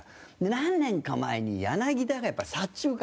何年か前に、柳田がやっぱり、左中間。